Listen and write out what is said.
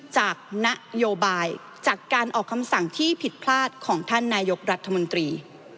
จากนโยบายจากการออกคำสั่งที่ผิดพลาดของท่านนายกรัฐมนตรี